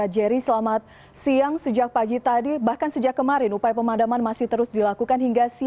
di sekeliling kabupaten majalengka